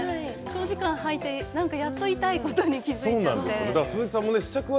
長時間履いてやっと痛いことに気付くので。